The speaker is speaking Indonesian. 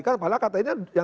kan malah katanya